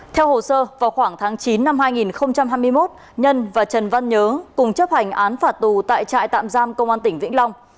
theo hồ sơ vào khoảng tháng chín năm hai nghìn hai mươi một nhân và trần văn nhớ cùng chấp hành án phạt tù tại trại tạm giam công an tỉnh vĩnh long